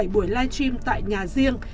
năm mươi bảy buổi live stream tại nhà riêng